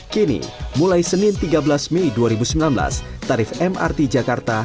kini mulai senin tiga belas mei dua ribu sembilan belas tarif mrt jakarta